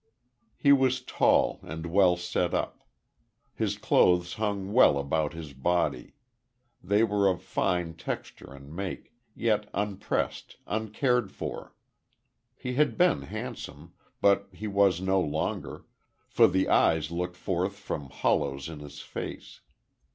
He was tall, and well set up. His clothes hung well about his body; they were of fine texture and make, yet unpressed, uncared for. He had been handsome; but he was no longer; for the eyes looked forth from hollows in his face.